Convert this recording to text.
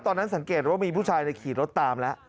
สังเกตว่ามีผู้ชายขี่รถตามแล้ว